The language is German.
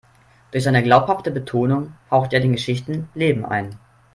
Durch seine glaubhafte Betonung haucht er den Geschichten Leben ein.